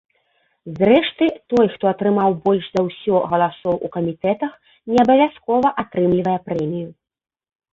Зрэшты, той, хто атрымаў больш за ўсё галасоў у камітэтах, не абавязкова атрымлівае прэмію.